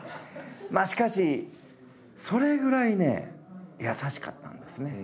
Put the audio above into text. しかしそれぐらいね優しかったんですね。